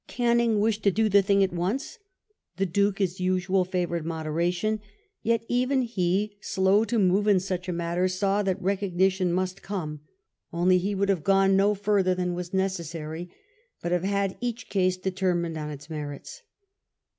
Canning wished to do the thing at once ; the Duke, as usual, favoured moderation ; yet even he, slow to move in such a matter, saw that recognition must come, only he would 234 WELLINGTON chap. have gone no further than was necessary, but have had each case determined on its merits.